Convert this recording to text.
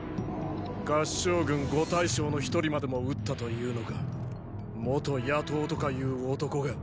合従軍五大将の一人までも討ったというのか元野盗とかいう男が⁉